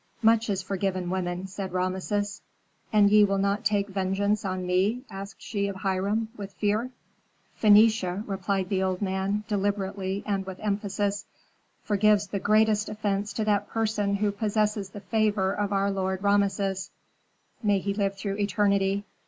"Much is forgiven women," said Rameses. "And ye will not take vengeance on me?" asked she of Hiram, with fear. "Phœnicia," replied the old man, deliberately and with emphasis, "forgives the greatest offence to that person who possesses the favor of our lord Rameses, may he live through eternity!